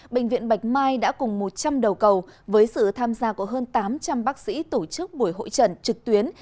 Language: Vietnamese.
bệnh viện bạch mai đã cùng một trăm linh đầu cầu với sự tham gia của hơn tám trăm linh bác sĩ tổ chức buổi hội trận trực tuyến